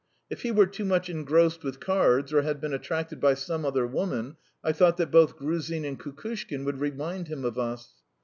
If he were too much engrossed with cards or had been attracted by some other woman, I thought that both Gruzin and Kukushkin would remind him of us.